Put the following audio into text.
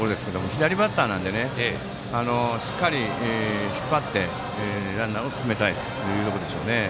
左バッターなのでしっかり引っ張ってランナーを進めたいところでしょうね。